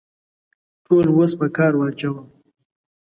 ټول وس په کار واچاوه.